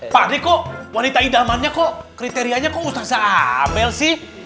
pak d kok wanita idamannya kok kriterianya kok ustaz abel sih